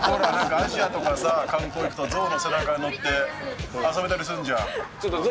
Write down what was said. アジアとかさ、観光行くと、象の背中に乗って遊べたりするじゃん。